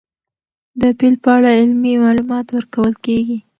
د فیل په اړه علمي معلومات ورکول کېږي.